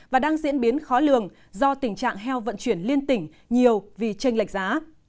và đang diễn biến khó lường do tình trạng heo vận chuyển liên tỉnh nhiều vì tranh lệch giá